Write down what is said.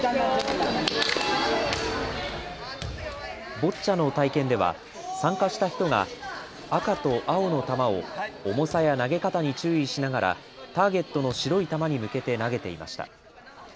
ボッチャの体験では参加した人が赤と青の球を重さや投げ方に注意しながらターゲットの白い球に向けて投げていました。